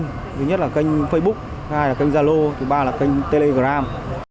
hiện đã có một số nhà hàng sử dụng hình thức này để phục vụ khách hàng về nhà an toàn